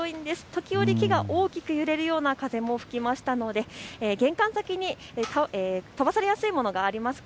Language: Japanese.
時折、木が大きく揺れるような風も吹きましたので玄関先に、飛ばされやすいものがあります